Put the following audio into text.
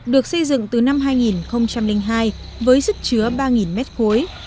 được xây dựng từ năm hai nghìn hai với sức chứa ba mét khối